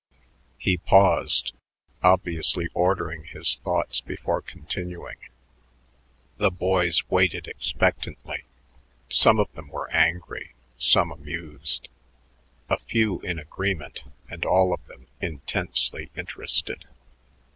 He paused, obviously ordering his thoughts before continuing. The boys waited expectantly. Some of them were angry, some amused, a few in agreement, and all of them intensely interested.